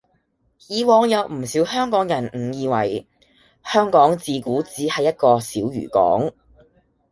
以往有唔少香港人誤以為香港自古只係一個小漁港